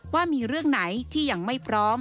ว่ามีเรื่องไหนที่ยังไม่พร้อม